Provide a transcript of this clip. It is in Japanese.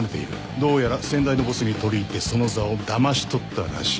どうやら先代のボスに取り入ってその座をだまし取ったらしい。